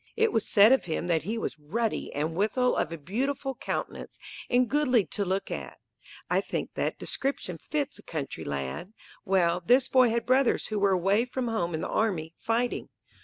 It was said of him that he was "ruddy and withal of a beautiful countenance, and goodly to look to." I think that description fits a country lad. Well, this boy had brothers who were away from home in the army, fighting.